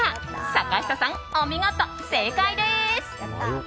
坂下さん、お見事正解です！